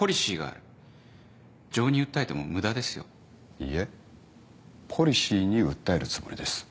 いいえポリシーに訴えるつもりです。